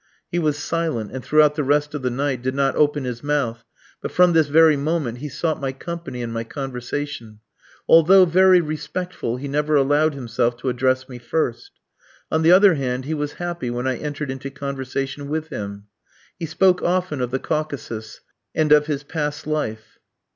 He was silent, and throughout the rest of the night did not open his mouth; but from this very moment he sought my company and my conversation; although very respectful, he never allowed himself to address me first. On the other hand he was happy when I entered into conversation with him. He spoke often of the Caucasus, and of his past life.